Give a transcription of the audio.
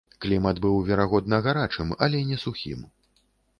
Клімат быў, верагодна, гарачым, але не сухім.